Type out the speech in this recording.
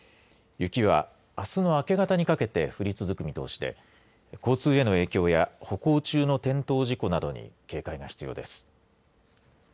雪は、あすの明け方にかけて降り続く見通しで交通への影響や歩行中の転倒事故などに警戒が必要です。